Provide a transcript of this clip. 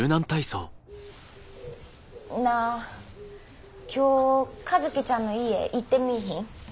なあ今日和希ちゃんの家行ってみいひん？